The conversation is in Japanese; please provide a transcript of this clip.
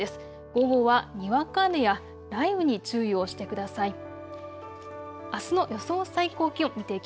午後は、にわか雨や雷雨に注意をしてください。